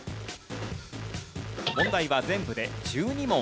問題は全部で１２問。